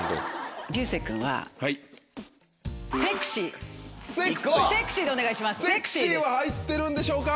「セクシー」は入ってるんでしょうか？